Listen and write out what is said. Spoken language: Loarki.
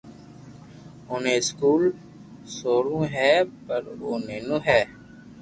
اوني اسڪول سوڙوہ ھي پر او نينو ھي